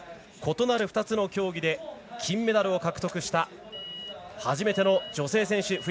異なる２つの競技で金メダルを獲得した初めての女性選手